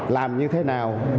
làm như thế nào